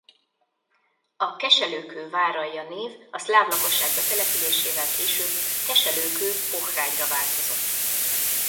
A Keselőkő-Váralja név a szláv lakosság betelepülésével később Keselőkő-Pohrágyra változott.